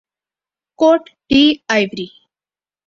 quote d' Ivory